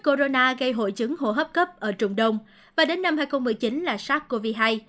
corona gây hội chứng hô hấp cấp ở trung đông và đến năm hai nghìn một mươi chín là sars cov hai